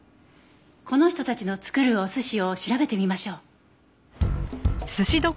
この人たちの作るお寿司を調べてみましょう。